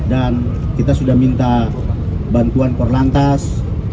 dan kita sudah minta bantuan kor lantas